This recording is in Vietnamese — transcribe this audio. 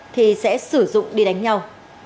thì sẽ sử dụng đi đánh nhau